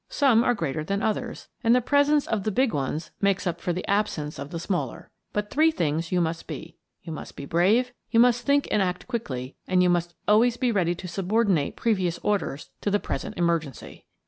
Some are greater than others, and the presence of the big ones makes up for the absence of the smaller. But three things you must be : you must be brave, you must think and act quickly, and you must always be ready to subordinate previous orders to the pres ent emergency.